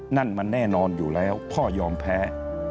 นั่นมันแน่นอนอยู่แล้วพ่อยอมแพ้